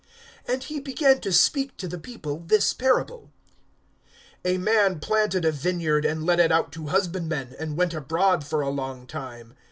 (9)And he began to speak to the people this parable: A man planted a vineyard, and let it out to husbandmen, and went abroad for a long time.